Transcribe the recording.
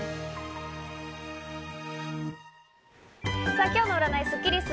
さぁ今日の占いスッキリす。